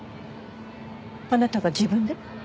あなたが自分で？